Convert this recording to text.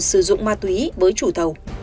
sử dụng ma túy với chủ thầu